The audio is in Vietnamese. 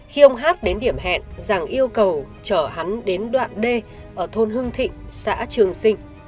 khi ông hát đến điểm hẹn rằng yêu cầu chở hắn đến đoạn đê ở thôn hưng thịnh xã trường sinh